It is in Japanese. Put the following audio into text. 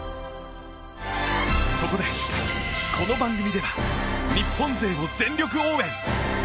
そこで、この番組では日本勢を全力応援！